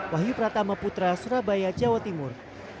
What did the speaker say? wahyu pratama putra surabaya jawa timur